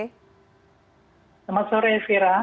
selamat sore fira